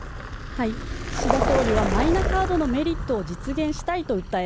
岸田総理はマイナカードのメリットを実現したいと訴え